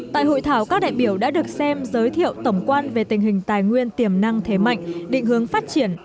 tại hội thảo các đại biểu đã được xem giới thiệu tổng quan về tình hình tài nguyên tiềm năng thế mạnh định hướng phát triển